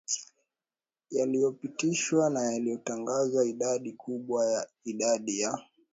yaliyopitishwa na yaliyotangazwa Idadi kubwa ya idadi ya